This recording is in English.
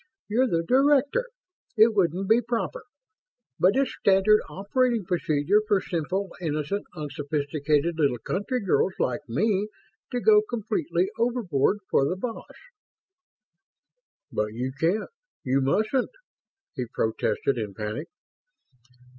"You're the Director. It wouldn't be proper. But it's Standard Operating Procedure for simple, innocent, unsophisticated little country girls like me to go completely overboard for the boss." "But you can't you mustn't!" he protested in panic.